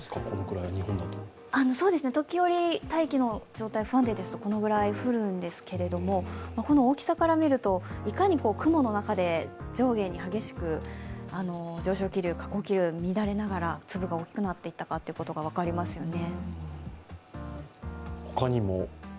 時折、大気の状態が不安定ですと、これくらい降るんですけどこの大きさから見ると、いかに雲の中で上下に激しく上昇気流、下降気流、乱れながら粒が大きくなっていったかということが分かりますよね。